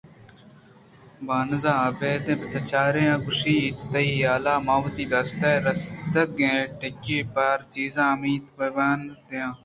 بانزءَآ بَد بَدءَچار انءُ گوٛشت تئی حیالءَمن وتی دست ءِ رَسیتگیں ٹیکیءَپَرا چیز ءِ اُمیّتءَببابہ دِیاں